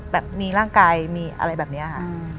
แบบมีร่างกายมีอะไรแบบนี้ค่ะ